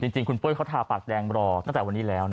จริงคุณปุ้ยเขาทาปากแดงรอตั้งแต่วันนี้แล้ว